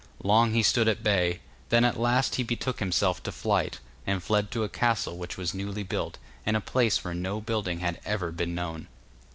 Long he stood at bay; then at last he betook himself to flight, and fled to a castle which was newly built, in a place where no building had ever been known.